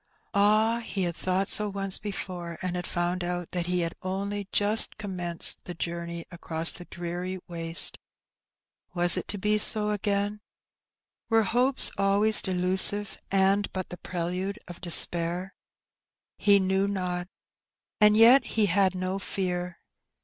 Ah ! he had thought so once before^ and had found out that he had only just commenced the journey across the dreary waste. Was it to be so again ? Would this glorious morning close in darkness? Were hopes always delusive, and but the pre lude of despair? He knew not; and yet he had no fear.